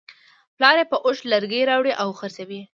پلار یې په اوښ لرګي راوړي او خرڅوي.